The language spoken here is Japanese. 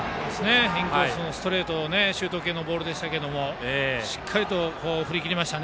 インコースのストレートシュート系のボールでしたがしっかりと振り切りました。